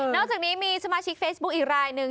อกจากนี้มีสมาชิกเฟซบุ๊คอีกรายหนึ่ง